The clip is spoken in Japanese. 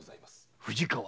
藤川。